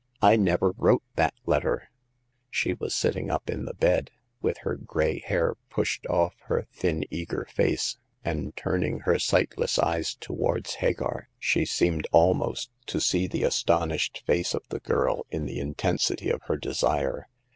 I never wrote that letter !" She was sitting up in the bed, with her gray hair pushed off her thin, eager face ; and turning her sightless eyes towards Hagar, she seemed almost to see the astonished face of the girl in the intensity of her desire.